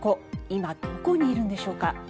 今、どこにいるのでしょうか。